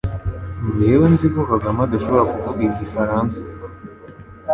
Njyewe nzi ko Kagame adashobora kuvuga igifaransa